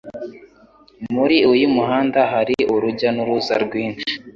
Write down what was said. Muri uyu muhanda hari urujya n'uruza rwinshi.